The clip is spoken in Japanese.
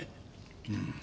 うん。